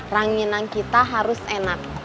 ranginan kita harus enak